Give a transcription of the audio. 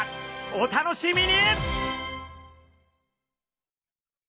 お楽しみに！